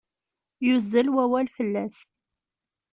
Yuzzel wawal fell-as.